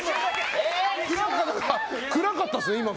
暗かったですよ、今。